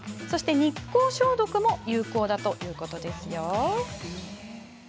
日光消毒も有効だそうですよ。